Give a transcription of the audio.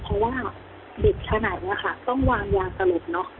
เพราะว่าเด็กขนาดนี้ต้องวางยางสลบ